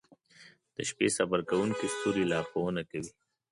• د شپې سفر کوونکي ستوري لارښونه کوي.